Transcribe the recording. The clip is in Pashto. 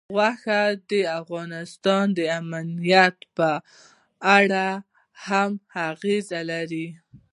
غوښې د افغانستان د امنیت په اړه هم اغېز لري.